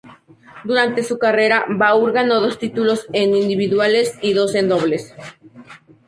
Durante su carrera, Baur ganó dos títulos en individuales y dos en dobles.